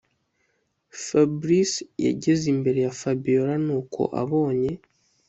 fabric yageze imbere ya fabiora nuko abonye